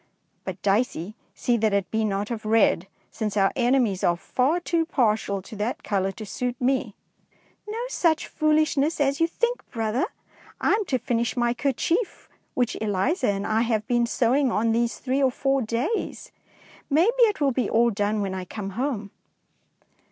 But, Dicey, see that it be not of red, since our enemies are far too partial to that colour to suit me.^^ '^No such foolishness as you think, brother! I am to finish my kerchief which Eliza and I have been sewing on these three or four days. Maybe it will be all done when I come home.